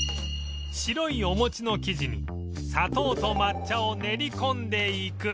白いお餅の生地に砂糖と抹茶を練り込んでいく